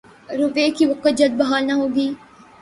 روپے کی وقعت جلد بحال نہ ہوگی۔